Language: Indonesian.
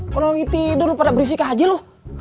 kalo mau tidur lo pada berisikah aja lo